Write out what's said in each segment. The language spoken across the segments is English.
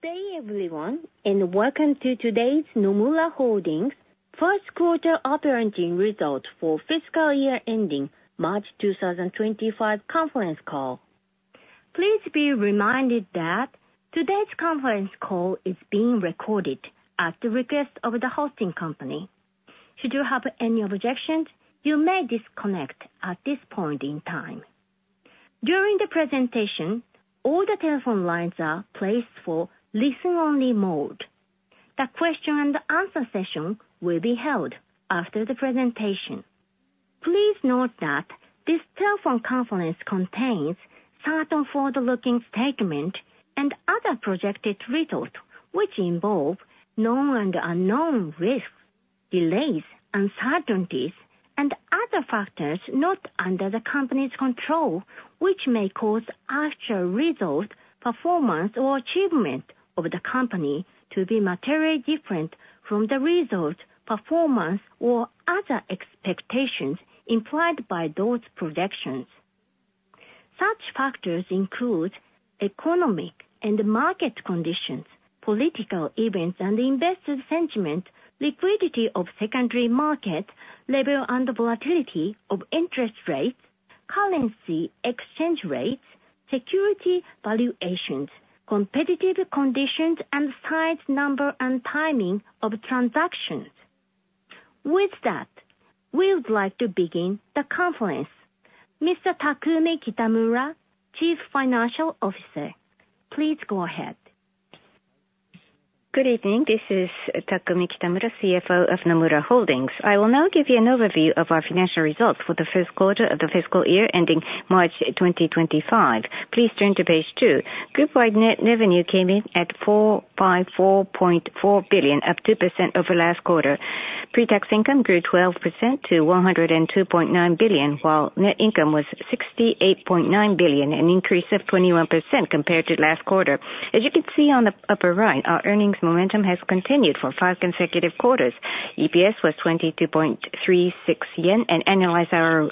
Good day, everyone, and welcome to today's Nomura Holdings' first-quarter operating results for fiscal year ending March 2025 conference call. Please be reminded that today's conference call is being recorded at the request of the hosting company. Should you have any objections, you may disconnect at this point in time. During the presentation, all the telephone lines are placed for listening-only mode. The question-and-answer session will be held after the presentation. Please note that this telephone conference contains certain forward-looking statements and other projected results, which involve known and unknown risks, delays, uncertainties, and other factors not under the company's control, which may cause actual results, performance, or achievement of the company to be materially different from the results, performance, or other expectations implied by those projection. Such factors include economic and market conditions, political events and investor sentiment, liquidity of secondary market level and volatility of interest rates, currency exchange rates, security valuations, competitive conditions, and size, number, and timing of transactions. With that, we would like to begin the conference. Mr. Takumi Kitamura, Chief Financial Officer, please go ahead. Good evening. This is Takumi Kitamura, CFO of Nomura Holdings. I will now give you an overview of our financial results for the first quarter of the fiscal year ending March 2025. Please turn to page two. Group net revenue came in at 454.4 billion, up 2% over last quarter. Pretax income grew 12% to 102.9 billion, while net income was 68.9 billion, an increase of 21% compared to last quarter. As you can see on the upper right, our earnings momentum has continued for five consecutive quarters. EPS was 22.36 yen and annualized ROE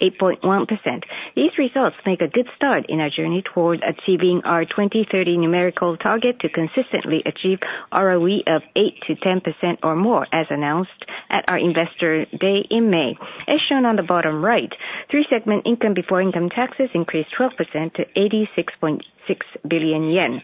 8.1%. These results make a good start in our journey toward achieving our 2030 numerical target to consistently achieve ROE of 8%-10% or more, as announced at our Investor Day in May. As shown on the bottom right, three-segment income before income taxes increased 12% to 86.6 billion yen.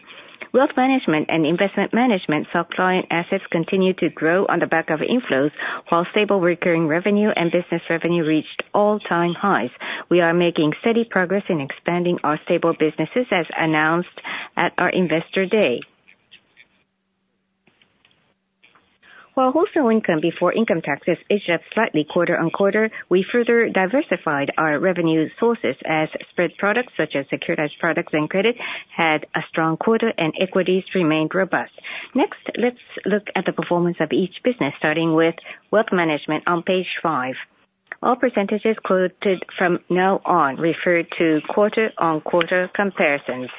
Wealth Management and Investment Management saw client assets continue to grow on the back of inflows, while stable recurring revenue and business revenue reached all-time highs. We are making steady progress in expanding our stable businesses, as announced at our Investor Day. While Wholesale income before income taxes edged up slightly quarter-on-quarter, we further diversified our revenue sources as Spread Products such as securitized products and credit had a strong quarter and Equities remained robust. Next, let's look at the performance of each business, starting with Wealth Management on page 5. All percentages quoted from now on refer to quarter-on-quarter comparisons.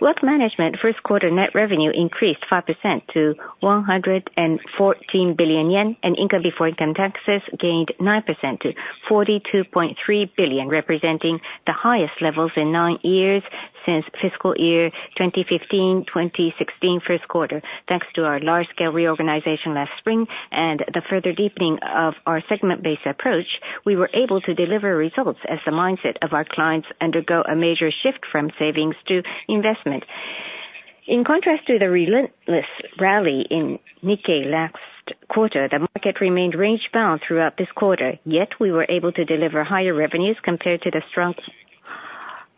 Wealth Management first-quarter net revenue increased 5% to 114 billion yen, and income before income taxes gained 9% to 42.3 billion, representing the highest levels in nine years since fiscal year 2015-2016 first quarter. Thanks to our large-scale reorganization last spring and the further deepening of our segment-based approach, we were able to deliver results as the mindset of our clients undergo a major shift from savings to investment. In contrast to the relentless rally in Nikkei last quarter, the market remained range-bound throughout this quarter, yet we were able to deliver higher revenues compared to the strong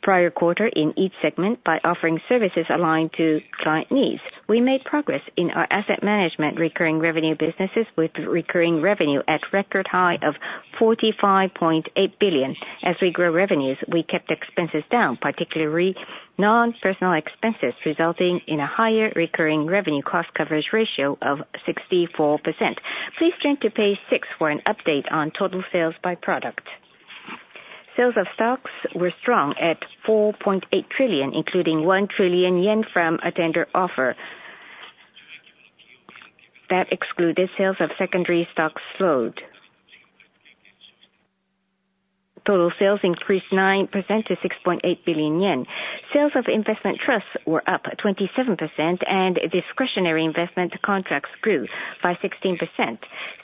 prior quarter in each segment by offering services aligned to client needs. We made progress in our Asset Management recurring revenue businesses with recurring revenue at record high of 45.8 billion. As we grow revenues, we kept expenses down, particularly non-personal expenses, resulting in a higher recurring revenue cost coverage ratio of 64%. Please turn to page 6 for an update on total sales by product. Sales of stocks were strong at 4.8 trillion, including 1 trillion yen from a tender offer. That excluded sales of secondary stocks slowed. Total sales increased 9% to 6.8 billion yen. Sales of investment trusts were up 27%, and discretionary investment contracts grew by 16%.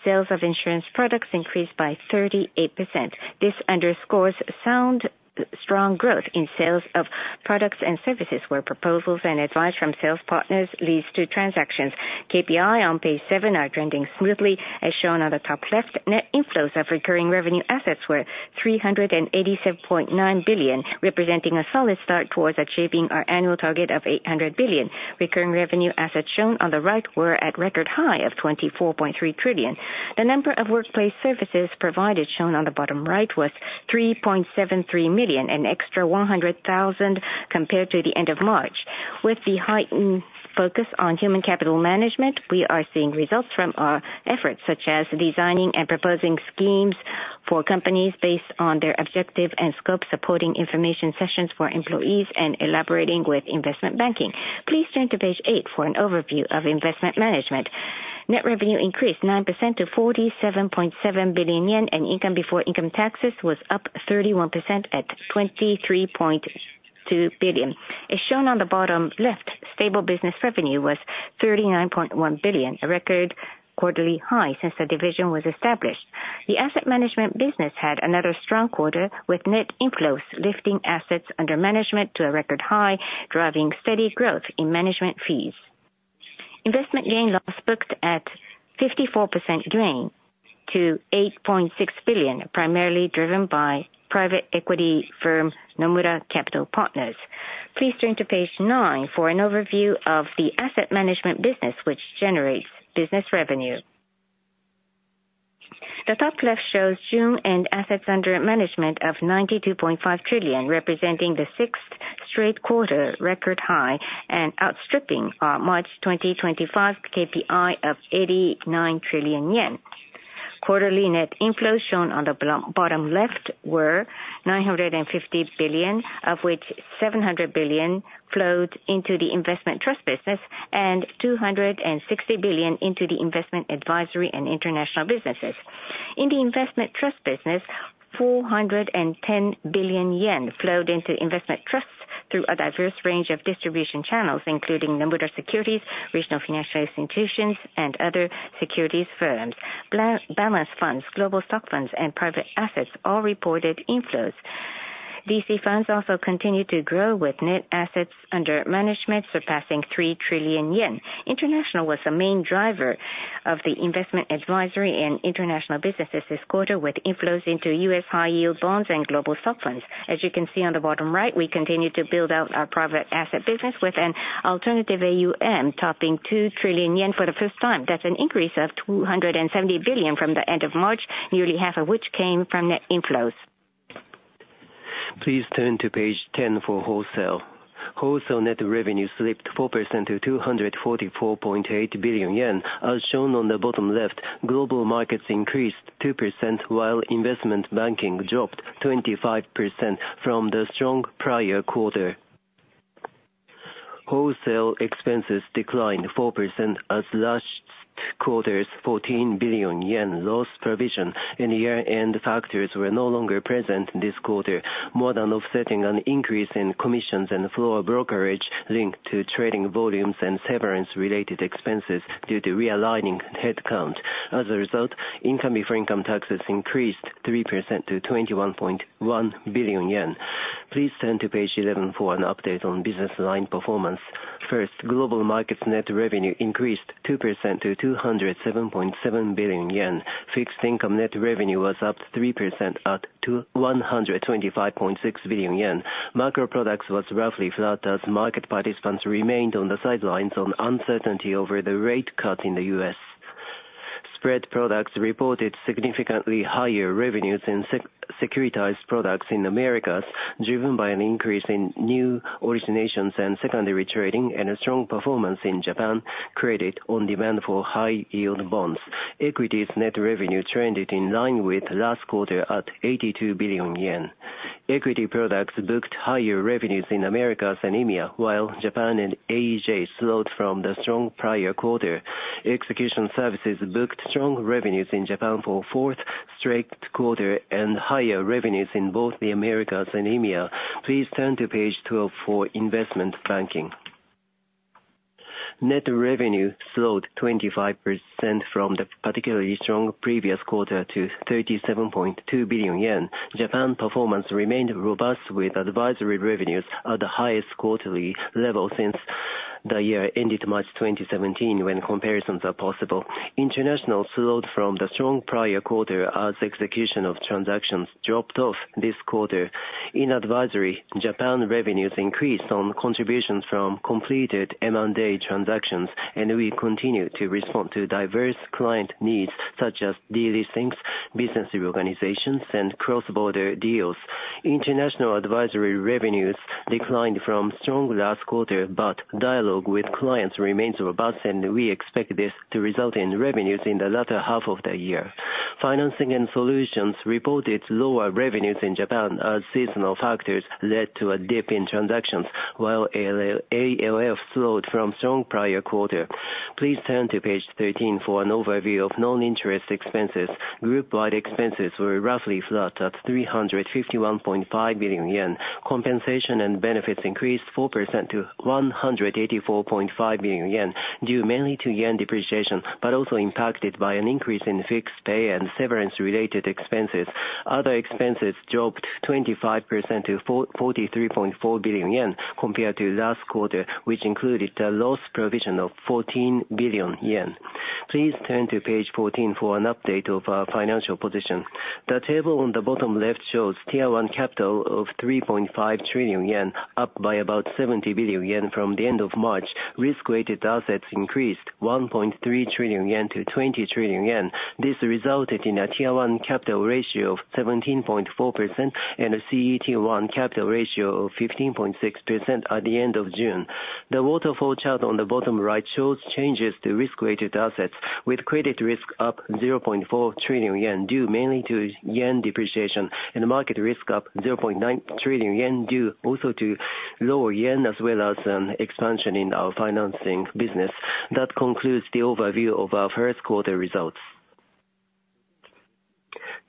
Sales of insurance products increased by 38%. This underscores sound, strong growth in sales of products and services where proposals and advice from sales partners lead to transactions. KPI on page seven are trending smoothly, as shown on the top left. Net inflows of recurring revenue assets were 387.9 billion, representing a solid start towards achieving our annual target of 800 billion. Recurring revenue assets shown on the right were at record high of 24.3 trillion. The number of workplace services provided, shown on the bottom right, was 3.73 million, an extra 100,000 compared to the end of March. With the heightened focus on human capital management, we are seeing results from our efforts, such as designing and proposing schemes for companies based on their objective and scope, supporting information sessions for employees, and elaborating with Investment Banking. Please turn to page eight for an overview of investment management. Net revenue increased 9% to 47.7 billion yen, and income before income taxes was up 31% at 23.2 billion. As shown on the bottom left, stable business revenue was 39.1 billion, a record quarterly high since the division was established. The asset management business had another strong quarter, with net inflows lifting assets under management to a record high, driving steady growth in management fees. Investment gain loss booked at 54% gain to 8.6 billion, primarily driven by private equity firm Nomura Capital Partners. Please turn to page nine for an overview of the asset management business, which generates business revenue. The top left shows June-end assets under management of 92.5 trillion, representing the sixth straight quarter record high and outstripping our March 2025 KPI of 89 trillion yen. Quarterly net inflows shown on the bottom left were 950 billion, of which 700 billion flowed into the investment trust business and 260 billion into the investment advisory and International businesses. In the investment trust business, 410 billion yen flowed into investment trusts through a diverse range of distribution channels, including Nomura Securities, regional financial institutions, and other securities firms. Balance funds, global stock funds, and private assets all reported inflows. VC funds also continued to grow, with net assets under management surpassing 3 trillion yen. International was the main driver of the investment advisory and international businesses this quarter, with inflows into U.S. high-yield bonds and global stock funds. As you can see on the bottom right, we continue to build out our private asset business with an alternative AUM topping 2 trillion yen for the first time. That's an increase of 270 billion from the end of March, nearly half of which came from net inflows. Please turn to page 10 for Wholesale. Wholesale net revenue slipped 4% to 244.8 billion yen, as shown on the bottom left. Global markets increased 2%, while investment banking dropped 25% from the strong prior quarter. Wholesale expenses declined 4% as last quarter's 14 billion yen loss provision. Any year-end factors were no longer present this quarter, more than offsetting an increase in commissions and floor brokerage linked to trading volumes and severance-related expenses due to re-aligning headcount. As a result, income before income taxes increased 3% to 21.1 billion yen. Please turn to page 11 for an update on business line performance. First, Global Markets net revenue increased 2% to 207.7 billion yen. Fixed Income net revenue was up 3% at 125.6 billion yen. Micro products was roughly flat as market participants remained on the sidelines on uncertainty over the rate cut in the U.S. Spread products reported significantly higher revenues in securitized products in the Americas, driven by an increase in new originations and secondary trading, and a strong performance in Japan credit on demand for high-yield bonds. Equities net revenue trended in line with last quarter at 82 billion yen. Equity products booked higher revenues in America than India, while Japan and Asia slowed from the strong prior quarter. Execution Services booked strong revenues in Japan for fourth straight quarter and higher revenues in both the Americas and India. Please turn to page 12 for investment banking. Net revenue slowed 25% from the particularly strong previous quarter to 37.2 billion yen. Japan performance remained robust, with advisory revenues at the highest quarterly level since the year ended March 2017, when comparisons are possible. International slowed from the strong prior quarter as execution of transactions dropped off this quarter. In advisory, Japan revenues increased on contributions from completed M&A transactions, and we continue to respond to diverse client needs such as delistings, business reorganizations, and cross-border deals. International advisory revenues declined from strong last quarter, but dialogue with clients remains robust, and we expect this to result in revenues in the latter half of the year. Financing and solutions reported lower revenues in Japan as seasonal factors led to a dip in transactions, while ALF slowed from strong prior quarter. Please turn to page 13 for an overview of non-interest expenses. Group-wide expenses were roughly flat at 351.5 billion yen. Compensation and benefits increased 4% to 184.5 billion yen, due mainly to yen depreciation, but also impacted by an increase in fixed pay and severance-related expenses. Other expenses dropped 25% to 43.4 billion yen compared to last quarter, which included a lost provision of 14 billion yen. Please turn to page 14 for an update of our financial position. The table on the bottom left shows Tier 1 capital of 3.5 trillion yen, up by about 70 billion yen from the end of March. Risk-weighted assets increased 1.3 trillion yen to 20 trillion yen. This resulted in a Tier 1 capital ratio of 17.4% and a CET1 capital ratio of 15.6% at the end of June. The waterfall chart on the bottom right shows changes to risk-weighted assets, with credit risk up 0.4 trillion yen, due mainly to yen depreciation, and market risk up 0.9 trillion yen, due also to lower yen as well as an expansion in our financing business. That concludes the overview of our first quarter results.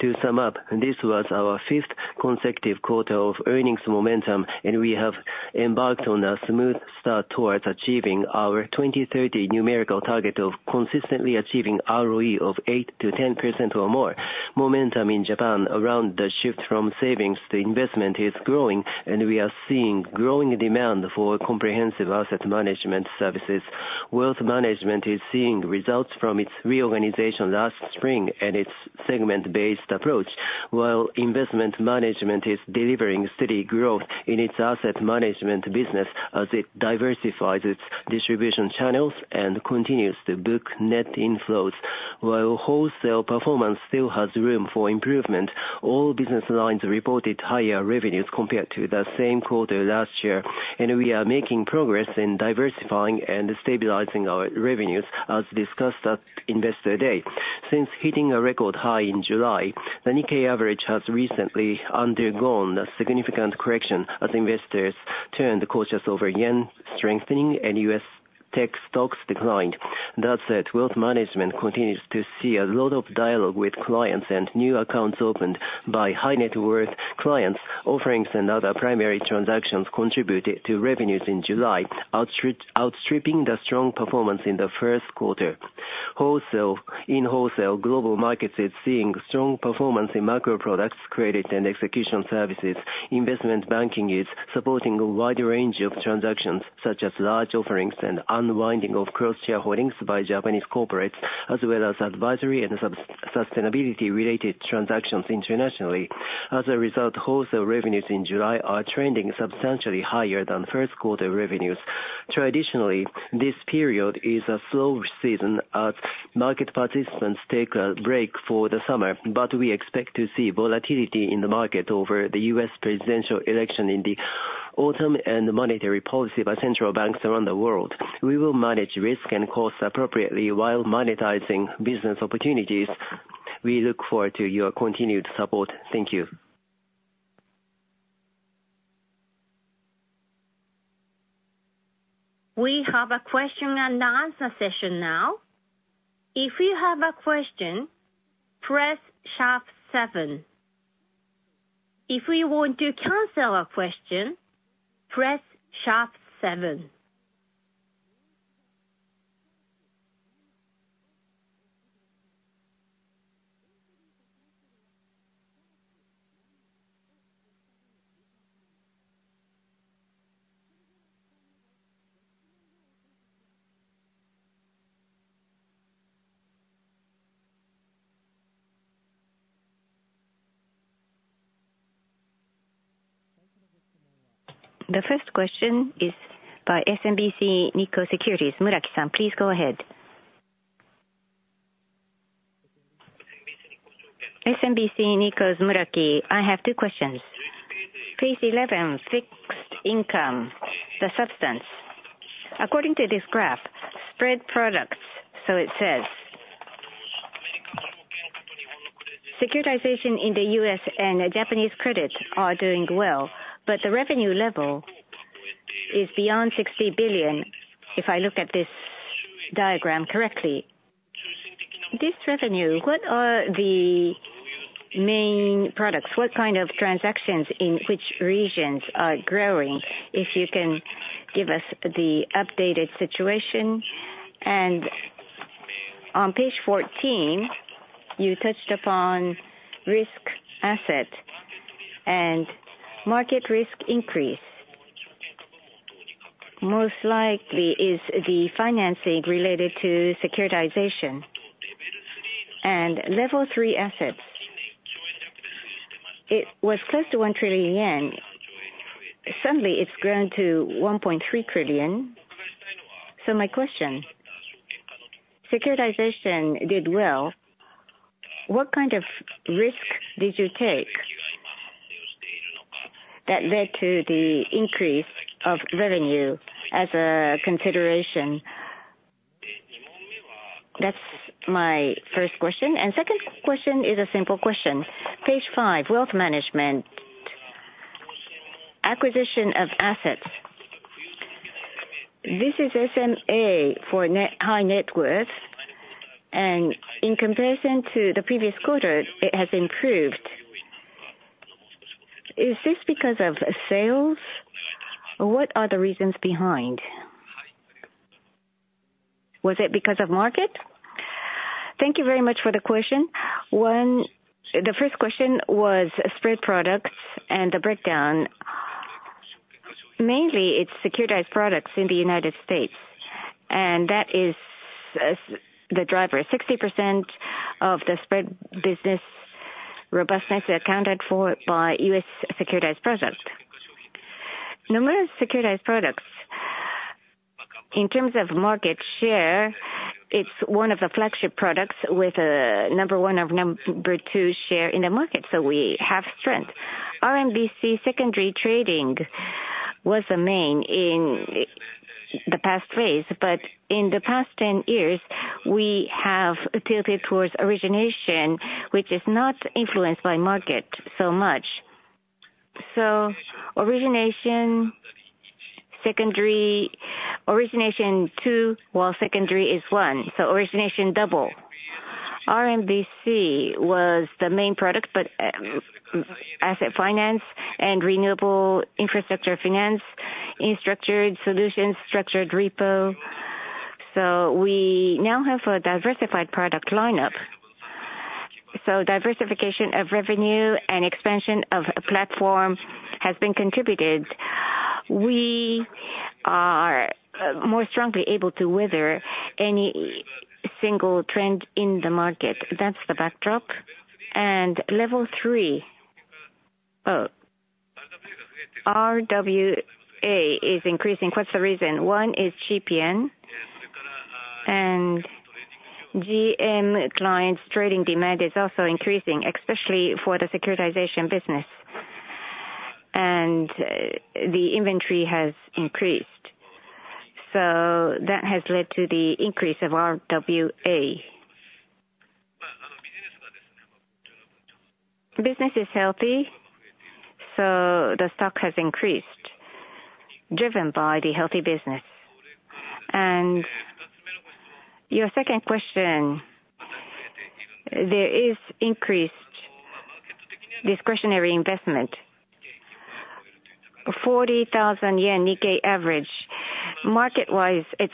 To sum up, this was our fifth consecutive quarter of earnings momentum, and we have embarked on a smooth start towards achieving our 2030 numerical target of consistently achieving ROE of 8%-10% or more. Momentum in Japan around the shift from savings to investment is growing, and we are seeing growing demand for comprehensive asset management services. Wealth management is seeing results from its reorganization last spring and its segment-based approach, while investment management is delivering steady growth in its asset management business as it diversifies its distribution channels and continues to book net inflows. While wholesale performance still has room for improvement, all business lines reported higher revenues compared to the same quarter last year, and we are making progress in diversifying and stabilizing our revenues, as discussed at investor day. Since hitting a record high in July, the Nikkei average has recently undergone a significant correction as investors turned the course over yen strengthening, and U.S. tech stocks declined. That said, wealth management continues to see a lot of dialogue with clients and new accounts opened by high-net-worth clients. Offerings and other primary transactions contributed to revenues in July, outstripping the strong performance in the first quarter. In wholesale, global markets are seeing strong performance in micro products, credit and execution services. Investment banking is supporting a wide range of transactions, such as large offerings and unwinding of cross-share holdings by Japanese corporates, as well as advisory and sustainability-related transactions internationally. As a result, wholesale revenues in July are trending substantially higher than first-quarter revenues. Traditionally, this period is a slow season as market participants take a break for the summer, but we expect to see volatility in the market over the US presidential election in the autumn and monetary policy by central banks around the world. We will manage risk and costs appropriately while monetizing business opportunities. We look forward to your continued support. Thank you. We have a question and answer session now. If you have a question, press star seven. If we want to cancel a question, press star seven. The first question is by SMBC Nikko Securities, Muraki-san. Please go ahead. SMBC Nikko's Muraki. I have two questions. Regarding fixed income, the business. According to this graph, spread products, so it says, securitization in the US and Japanese credit are doing well, but the revenue level is beyond 60 billion. If I look at this diagram correctly, this revenue, what are the main products? What kind of transactions in which regions are growing? If you can give us the updated situation. And on page 14, you touched upon risk asset and market risk increase. Most likely, it is the financing related to securitization and level three assets. It was close to 1 trillion yen. Suddenly, it's grown to 1.3 trillion. So, my question: securitization did well. What kind of risk did you take that led to the increase of revenue as a consideration? That's my first question. And second question is a simple question. Page 5, wealth management, acquisition of assets. This is SMA for high net worth, and in comparison to the previous quarter, it has improved. Is this because of sales? What are the reasons behind? Was it because of market? Thank you very much for the question. The first question was spread products and the breakdown. Mainly, it's securitized products in the United States, and that is the driver. 60% of the spread business robustness accounted for by U.S. securitized products. Numerous securitized products. In terms of market share, it's one of the flagship products with number 1 or number 2 share in the market, so we have strength. RMBS secondary trading was the main in the past phase, but in the past 10 years, we have tilted towards origination, which is not influenced by market so much. So origination, secondary, origination two, while secondary is one. So origination double. RMBS was the main product, but asset finance and renewable infrastructure finance, structured solutions, structured repo. So we now have a diversified product lineup. So diversification of revenue and expansion of a platform has been contributed. We are more strongly able to weather any single trend in the market. That's the backdrop. And level three, RWA is increasing. What's the reason? One is GPN, and GM clients' trading demand is also increasing, especially for the securitization business. And the inventory has increased, so that has led to the increase of RWA. Business is healthy, so the stock has increased, driven by the healthy business. And your second question, there is increased discretionary investment, 40,000 yen Nikkei average. Market-wise, it's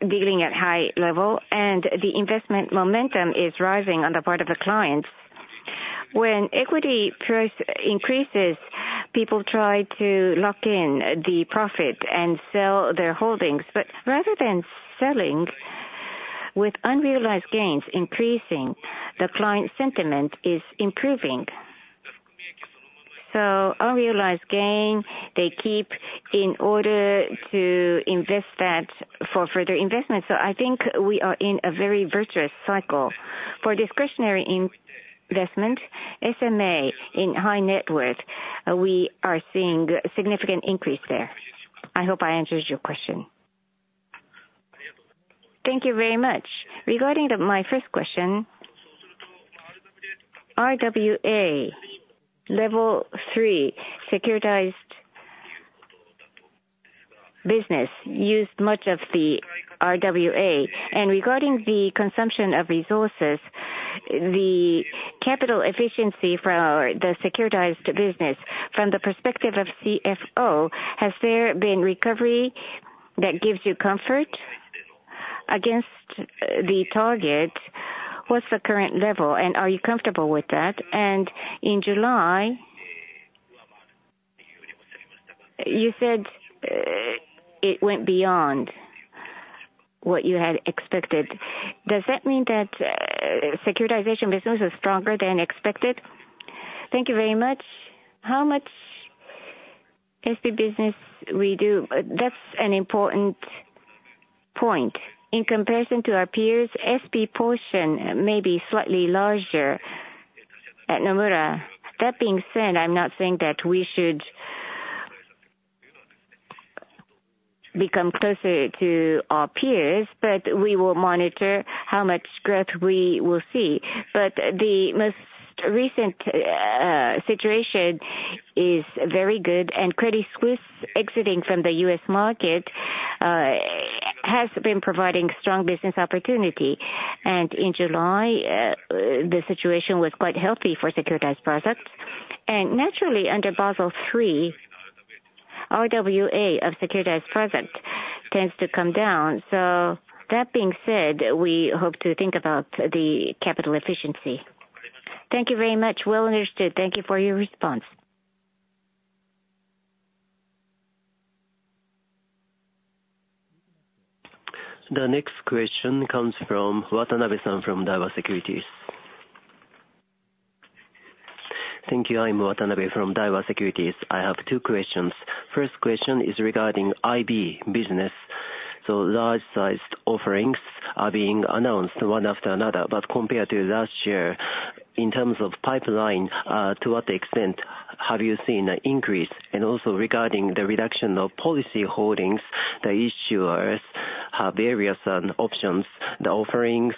dealing at high level, and the investment momentum is rising on the part of the clients. When equity price increases, people try to lock in the profit and sell their holdings. But rather than selling with unrealized gains increasing, the client sentiment is improving. So unrealized gain, they keep in order to invest that for further investment. So I think we are in a very virtuous cycle. For discretionary investment, SMA in high net worth, we are seeing a significant increase there. I hope I answered your question. Thank you very much. Regarding my first question, RWA, level three securitized business used much of the RWA. And regarding the consumption of resources, the capital efficiency for the securitized business, from the perspective of CFO, has there been recovery that gives you comfort against the target? What's the current level, and are you comfortable with that? And in July, you said it went beyond what you had expected. Does that mean that securitization business was stronger than expected? Thank you very much. How much SP business we do? That's an important point. In comparison to our peers, SP portion may be slightly larger at Nomura. That being said, I'm not saying that we should become closer to our peers, but we will monitor how much growth we will see. But the most recent situation is very good, and Credit Suisse exiting from the US market has been providing strong business opportunity. And in July, the situation was quite healthy for securitized products. And naturally, under Basel III, RWA of securitized product tends to come down. So that being said, we hope to think about the capital efficiency. Thank you very much. Well understood. Thank you for your response. The next question comes from Watanabe-san from Daiwa Securities. Thank you. I'm Watanabe from Daiwa Securities. I have two questions. First question is regarding IB business. So large-sized offerings are being announced one after another. But compared to last year, in terms of pipeline, to what extent have you seen an increase? And also regarding the reduction of policy holdings, the issuers have various options, the offerings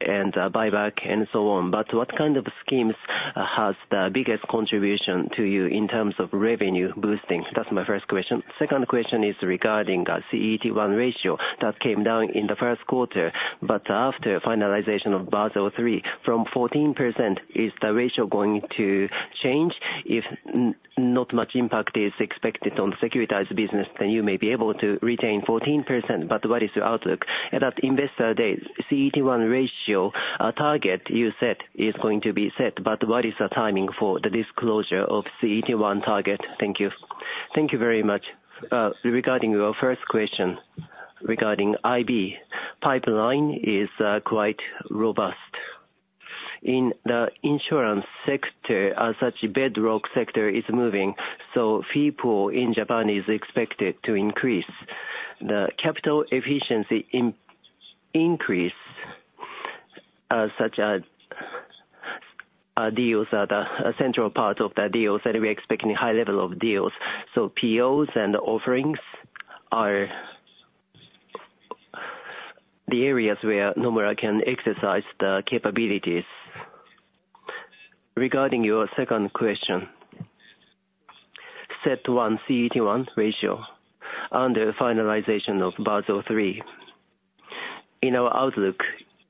and buyback and so on. But what kind of schemes has the biggest contribution to you in terms of revenue boosting? That's my first question. Second question is regarding the CET1 ratio that came down in the first quarter. But after finalization of Basel III, from 14%, is the ratio going to change? If not much impact is expected on the securitized business, then you may be able to retain 14%. But what is your outlook? At that investor day, CET1 ratio target you set is going to be set. But what is the timing for the disclosure of CET1 target? Thank you. Thank you very much. Regarding your first question regarding IB, pipeline is quite robust. In the insurance sector, such a bedrock sector is moving, so fee pool in Japan is expected to increase. The capital efficiency increase, such as deals are the central part of the deals, and we're expecting a high level of deals. So POs and offerings are the areas where Nomura can exercise the capabilities. Regarding your second question, set one CET1 ratio under finalization of Basel III, in our outlook,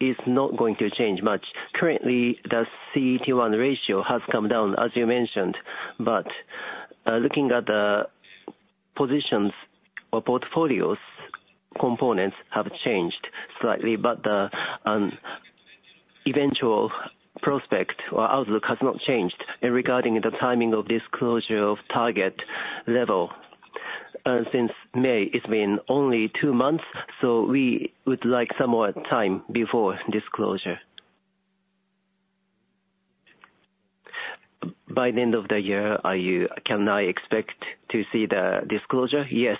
it's not going to change much. Currently, the CET1 ratio has come down, as you mentioned. But looking at the positions or portfolios, components have changed slightly, but the eventual prospect or outlook has not changed. Regarding the timing of disclosure of target level, since May, it's been only two months, so we would like some more time before disclosure. By the end of the year, can I expect to see the disclosure? Yes,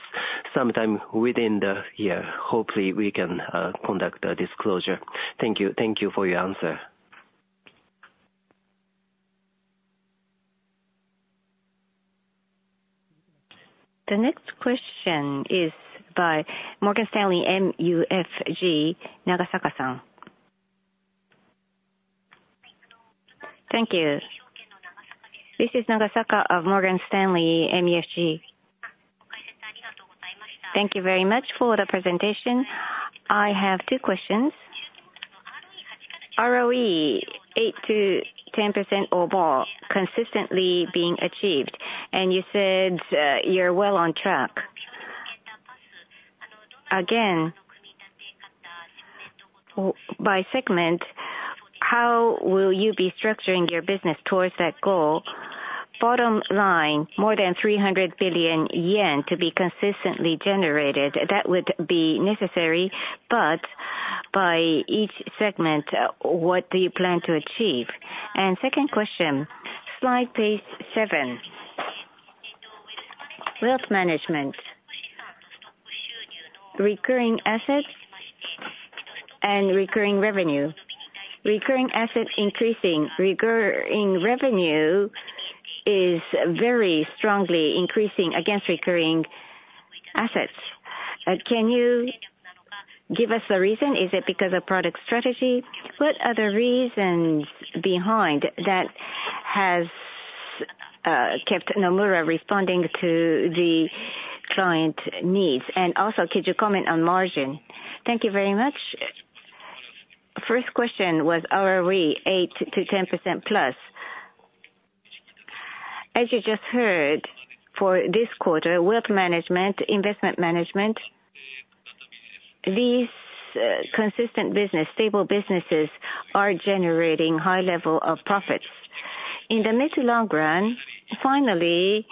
sometime within the year. Hopefully, we can conduct a disclosure. Thank you. Thank you for your answer. The next question is by Morgan Stanley MUFG, Nagasaka-san. Thank you. This is Nagasaka of Morgan Stanley MUFG. Thank you very much for the presentation. I have two questions. ROE 8%-10% or more consistently being achieved, and you said you're well on track. Again, by segment, how will you be structuring your business towards that goal? Bottom line, more than 300 billion yen to be consistently generated. That would be necessary, but by each segment, what do you plan to achieve? And second question, slide page 7, Wealth Management, recurring assets and recurring revenue. Recurring assets increasing. Recurring revenue is very strongly increasing against recurring assets. Can you give us the reason? Is it because of product strategy? What are the reasons behind that has kept Nomura responding to the client needs? And also, could you comment on margin? Thank you very much. First question was ROE 8%-10% plus. As you just heard, for this quarter, Wealth Management, Investment Management, these consistent business, stable businesses are generating high level of profits. In the mid to long run, finally,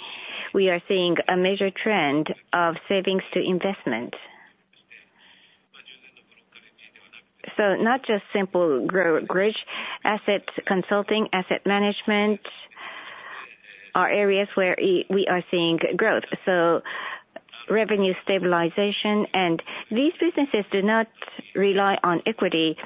we are seeing a major trend of savings to investment. So not just simple grids, asset consulting, asset management are areas where we are seeing growth. So revenue stabilization, and these businesses do not rely on equity,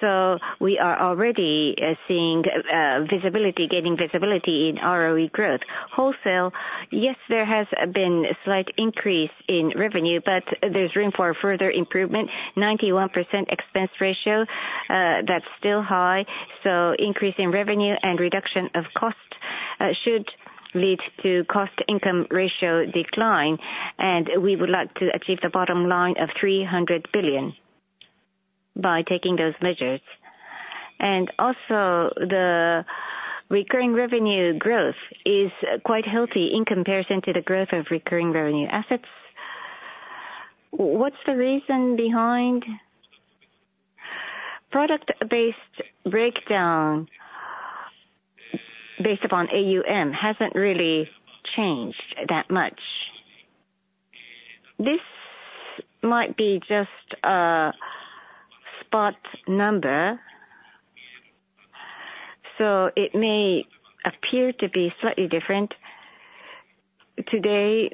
so we are already seeing gaining visibility in ROE growth. Wholesale, yes, there has been a slight increase in revenue, but there's room for further improvement. 91% expense ratio, that's still high. So increasing revenue and reduction of cost should lead to cost-to-income ratio decline, and we would like to achieve the bottom line of 300 billion by taking those measures. And also, the recurring revenue growth is quite healthy in comparison to the growth of recurring revenue assets. What's the reason behind? Product-based breakdown based upon AUM hasn't really changed that much. This might be just a spot number, so it may appear to be slightly different. Today,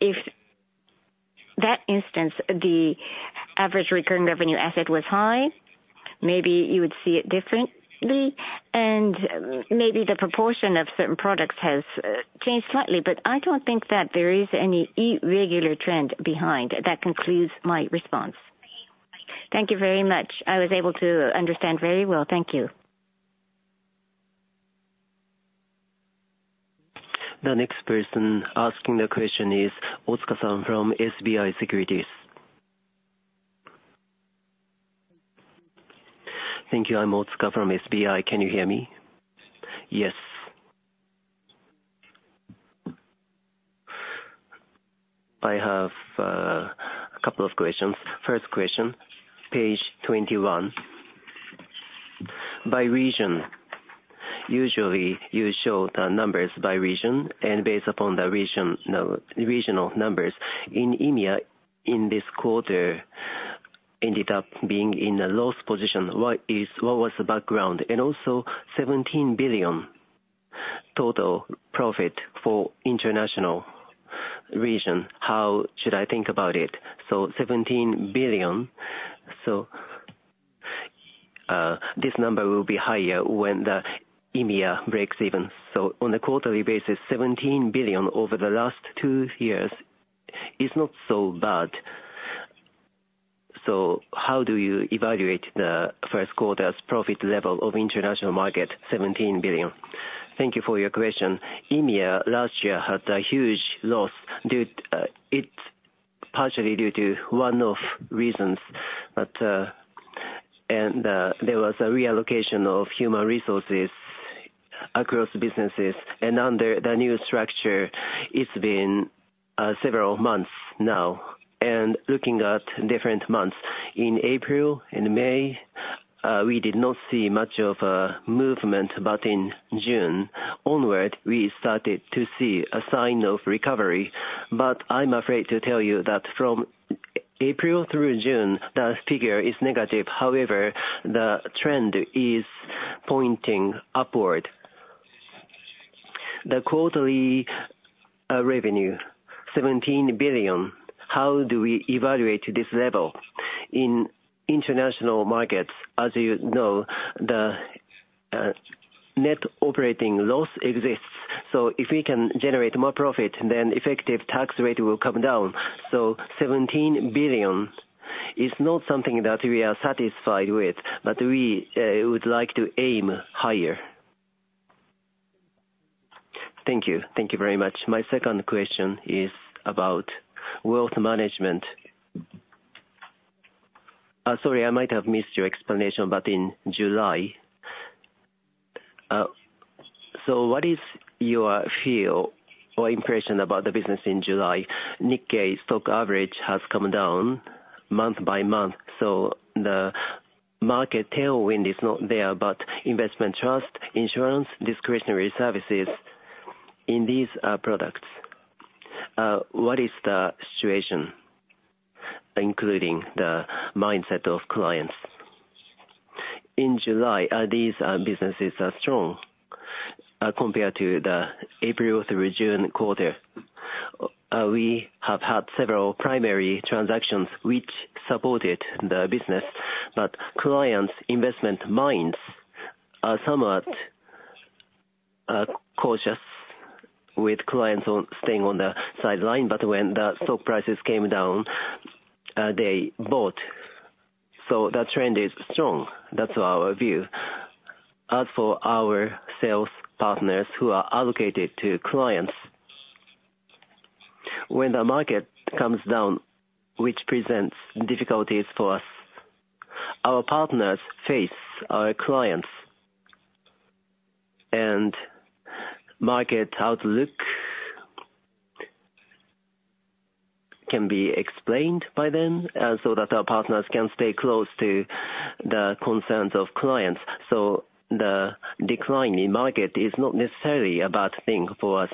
if that instance, the average recurring revenue asset was high, maybe you would see it differently, and maybe the proportion of certain products has changed slightly. But I don't think that there is any irregular trend behind. That concludes my response. Thank you very much. I was able to understand very well. Thank you. The next person asking the question is Otsuka-san from SBI Securities. Thank you. I'm Otsuka from SBI. Can you hear me? Yes. I have a couple of questions. First question, page 21. By region, usually you show the numbers by region, and based upon the regional numbers, in EMEA, in this quarter, ended up being in a loss position. What was the background? And also, 17 billion total profit for international region. How should I think about it? So 17 billion. So this number will be higher when the EMEA breaks even. So on a quarterly basis, 17 billion over the last two years is not so bad. So how do you evaluate the first quarter's profit level of international market? 17 billion. Thank you for your question. EMEA last year had a huge loss. It's partially due to one of reasons, and there was a reallocation of human resources across businesses. Under the new structure, it's been several months now. Looking at different months, in April and May, we did not see much of a movement, but in June onward, we started to see a sign of recovery. But I'm afraid to tell you that from April through June, the figure is negative. However, the trend is pointing upward. The quarterly revenue, 17 billion. How do we evaluate this level in international markets? As you know, the net operating loss exists. So if we can generate more profit, then effective tax rate will come down. So 17 billion is not something that we are satisfied with, but we would like to aim higher. Thank you. Thank you very much. My second question is about wealth management. Sorry, I might have missed your explanation, but in July. So what is your feel or impression about the business in July? Nikkei Stock Average has come down month by month. So the market tailwind is not there, but investment trust, insurance, discretionary services in these products, what is the situation, including the mindset of clients? In July, these businesses are strong compared to the April through June quarter. We have had several primary transactions which supported the business, but clients' investment minds are somewhat cautious with clients staying on the sidelines. But when the stock prices came down, they bought. So the trend is strong. That's our view. As for our sales partners who are allocated to clients, when the market comes down, which presents difficulties for us, our partners face our clients, and market outlook can be explained by them so that our partners can stay close to the concerns of clients. So the decline in market is not necessarily a bad thing for us.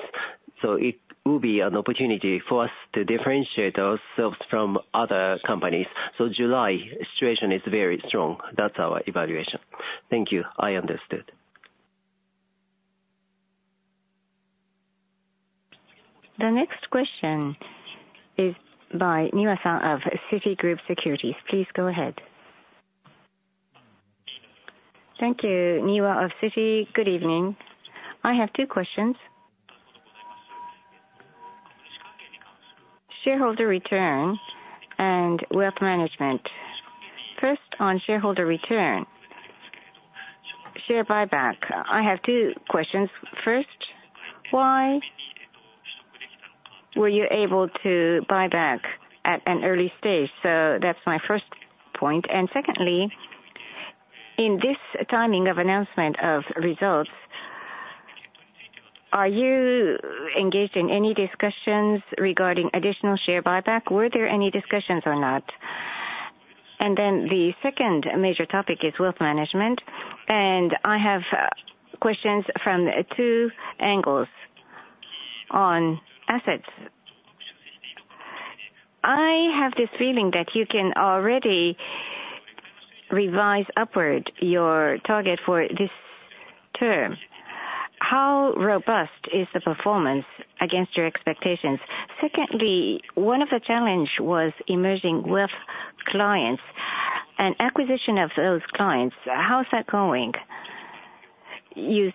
So it will be an opportunity for us to differentiate ourselves from other companies. So July situation is very strong. That's our evaluation. Thank you. I understood. The next question is by Niwa-san of Citigroup Securities. Please go ahead. Thank you, Niwa of Citi. Good evening. I have two questions. Shareholder return and wealth management. First, on shareholder return, share buyback. I have two questions. First, why were you able to buy back at an early stage? So that's my first point. And secondly, in this timing of announcement of results, are you engaged in any discussions regarding additional share buyback? Were there any discussions or not? And then the second major topic is wealth management, and I have questions from two angles on assets. I have this feeling that you can already revise upward your target for this term. How robust is the performance against your expectations? Secondly, one of the challenges was emerging wealth clients and acquisition of those clients. How's that going? You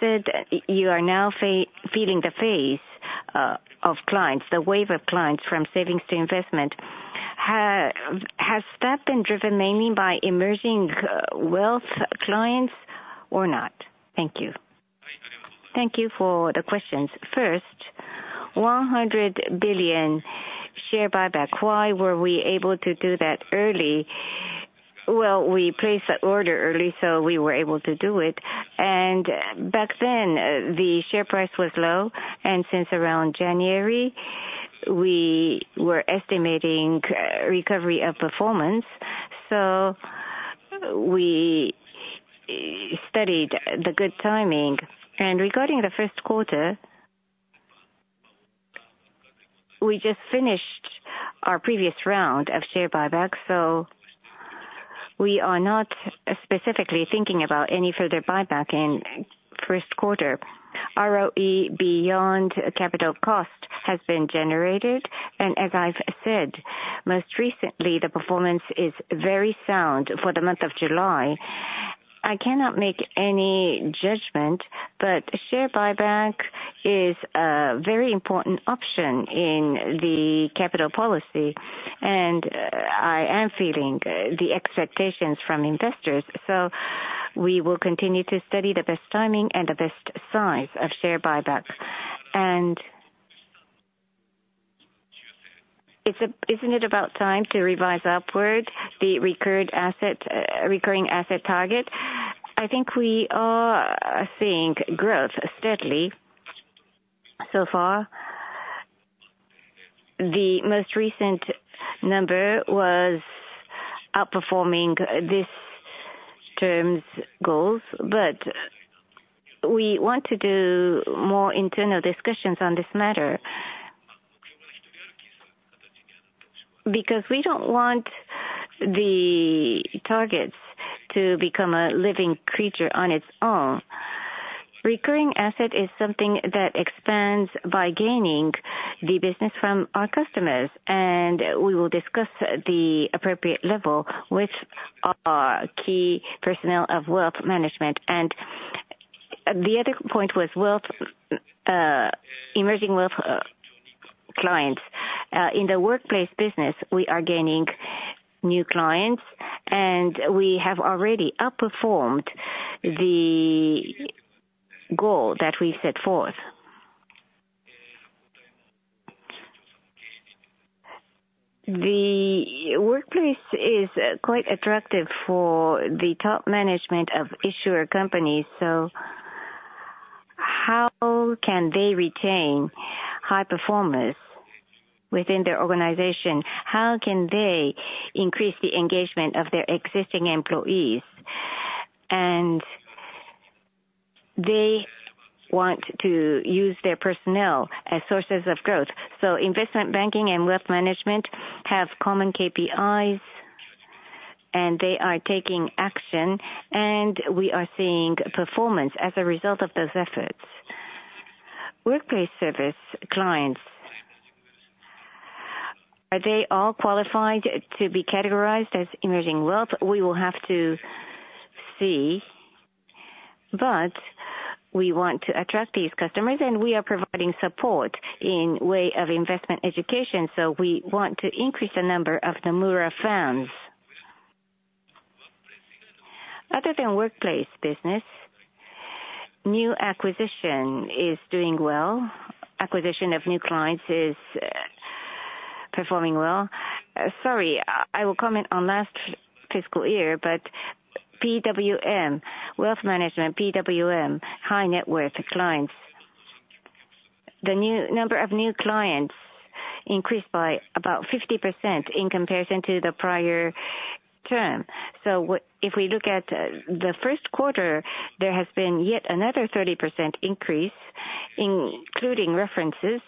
said you are now feeling the phase of clients, the wave of clients from savings to investment. Has that been driven mainly by emerging wealth clients or not? Thank you. Thank you for the questions. First, 100 billion share buyback. Why were we able to do that early? Well, we placed the order early, so we were able to do it. And back then, the share price was low, and since around January, we were estimating recovery of performance. So we studied the good timing. And regarding the first quarter, we just finished our previous round of share buyback, so we are not specifically thinking about any further buyback in first quarter. ROE beyond capital cost has been generated. And as I've said, most recently, the performance is very sound for the month of July. I cannot make any judgment, but share buyback is a very important option in the capital policy, and I am feeling the expectations from investors. So we will continue to study the best timing and the best size of share buyback. And isn't it about time to revise upward the recurring asset target? I think we are seeing growth steadily so far. The most recent number was outperforming this term's goals, but we want to do more internal discussions on this matter because we don't want the targets to become a living creature on its own. Recurring asset is something that expands by gaining the business from our customers, and we will discuss the appropriate level with our key personnel of wealth management. The other point was emerging wealth clients. In the workplace business, we are gaining new clients, and we have already outperformed the goal that we set forth. The workplace is quite attractive for the top management of issuer companies, so how can they retain high performance within their organization? How can they increase the engagement of their existing employees? They want to use their personnel as sources of growth. So investment banking and wealth management have common KPIs, and they are taking action, and we are seeing performance as a result of those efforts. Workplace service clients, are they all qualified to be categorized as emerging wealth? We will have to see, but we want to attract these customers, and we are providing support in the way of investment education. So we want to increase the number of Nomura fans. Other than workplace business, new acquisition is doing well. Acquisition of new clients is performing well. Sorry, I will comment on last fiscal year, but PWM, wealth management, PWM, high net worth clients. The number of new clients increased by about 50% in comparison to the prior term. So if we look at the first quarter, there has been yet another 30% increase, including references,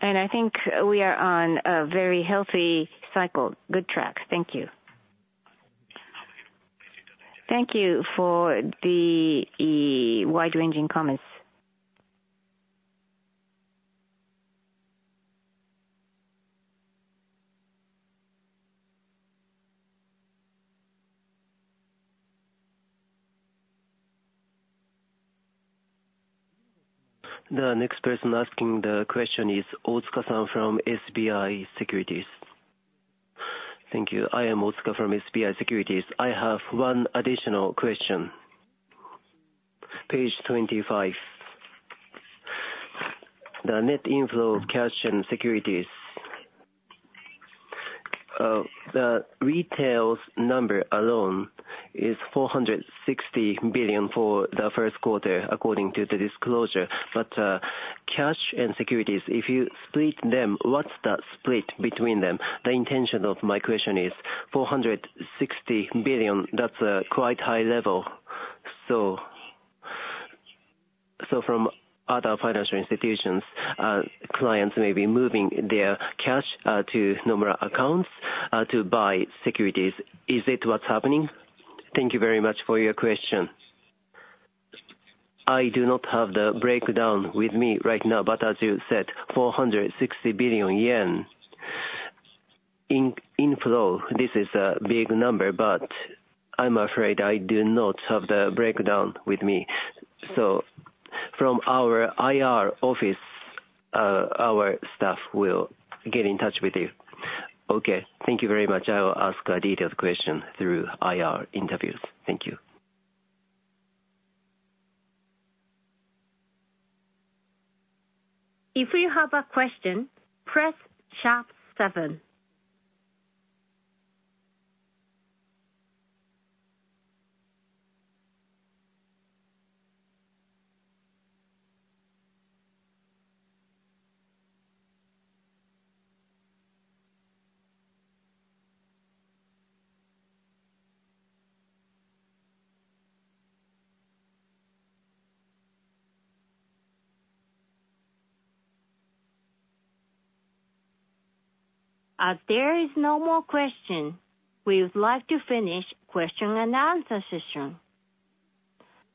and I think we are on a very healthy cycle. Good track. Thank you. Thank you for the wide-ranging comments. The next person asking the question is Otsuka-san from SBI Securities. Thank you. I am Otsuka from SBI Securities. I have one additional question. Page 25. The net inflow of cash and securities. The retail number alone is 460 billion for the first quarter, according to the disclosure. But cash and securities, if you split them, what's the split between them? The intention of my question is 460 billion. That's a quite high level. So from other financial institutions, clients may be moving their cash to Nomura accounts to buy securities. Is it what's happening? Thank you very much for your question. I do not have the breakdown with me right now, but as you said, 460 billion yen inflow. This is a big number, but I'm afraid I do not have the breakdown with me. So from our IR office, our staff will get in touch with you. Okay. Thank you very much. I will ask a detailed question through IR interviews. Thank you. If you have a question, press sharp 7. As there is no more question, we would like to finish the question and answer session.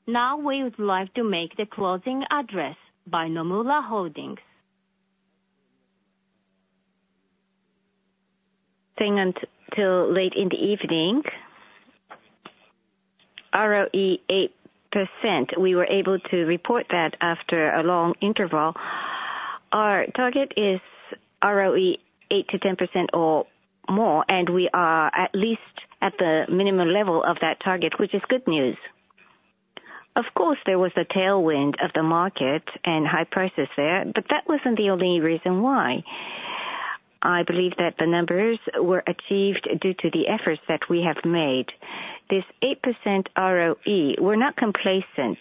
Now we would like to make the closing address by Nomura Holdings. Thank you. Until late in the evening. ROE 8%. We were able to report that after a long interval. Our target is ROE 8%-10% or more, and we are at least at the minimum level of that target, which is good news. Of course, there was a tailwind of the market and high prices there, but that wasn't the only reason why. I believe that the numbers were achieved due to the efforts that we have made. This 8% ROE, we're not complacent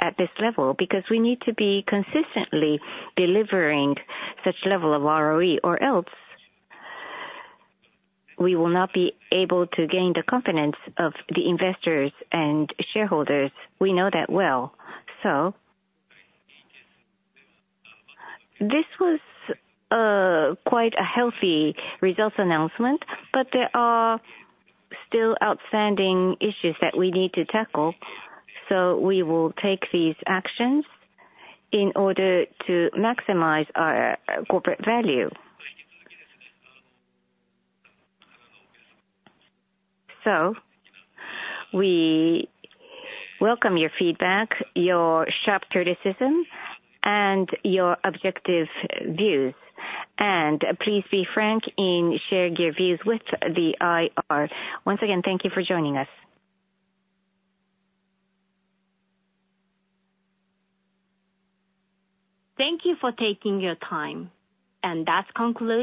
at this level because we need to be consistently delivering such level of ROE, or else we will not be able to gain the confidence of the investors and shareholders. We know that well. So this was quite a healthy results announcement, but there are still outstanding issues that we need to tackle. So we will take these actions in order to maximize our corporate value. So we welcome your feedback, your sharp criticism, and your objective views. And please be frank in sharing your views with the IR. Once again, thank you for joining us. Thank you for taking your time. And that's concluded.